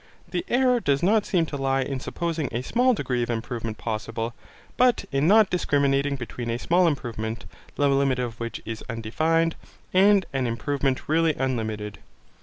The error does not seem to lie in supposing a small degree of improvement possible, but in not discriminating between a small improvement, the limit of which is undefined, and an improvement really unlimited.